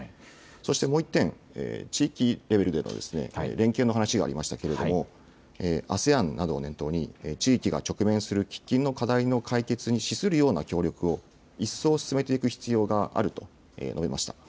そしてもう一点、地域レベルでの連携の話がありましたけれども、ＡＳＥＡＮなどを念頭に、地域が直面する喫緊の課題の解決に資するような協力を、一層進めていく必要があると述べました。